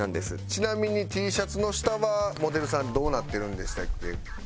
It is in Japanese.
ちなみにＴシャツの下はモデルさんどうなってるんでしたっけ？